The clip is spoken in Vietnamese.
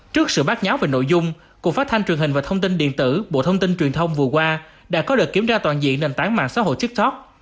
trước sự bác nháo về nội dung cuộc phát thanh truyền hình và thông tin điện tử bộ thông tin truyền thông vừa qua đã có đợt kiểm tra toàn diện nền tảng mạng xã hội tiktok